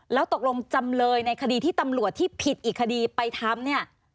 แล้วตกลงจำเลยในคดีที่ตำรวจที่ผิดอีกคดีไปทำเนี่ย